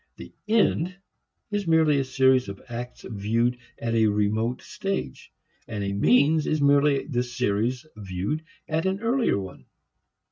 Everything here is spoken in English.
The "end" is merely a series of acts viewed at a remote stage; and a means is merely the series viewed at an earlier one.